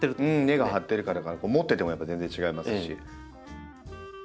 根が張ってるからか持っててもやっぱり全然違いますし。